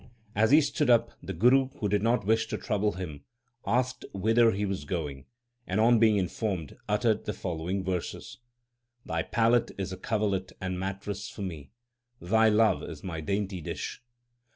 As he stood up, the Guru, who did not wish to trouble him, asked whither he was going, and, on being informed, uttered the following verses : Thy pallet is a coverlet and mattress for me ; thy love is my dainty dish.